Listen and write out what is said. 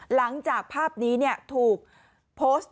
หลังจากภาพนี้ถูกโพสต์